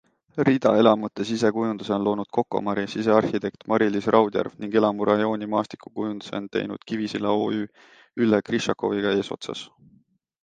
Ridaelamute sisekujunduse on loonud Cocomari sisearhitekt Mari-Liis Raudjärv ning elamurajooni maastikukujunduse on teinud Kivisilla OÜ Ülle Grišakoviga eesotsas.